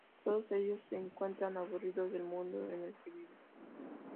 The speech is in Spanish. Todos ellos se encuentran aburridos del mundo en el que viven.